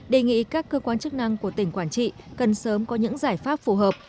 đề nghị các cơ quan chức năng của tỉnh quảng trị cần sớm có những giải pháp phù hợp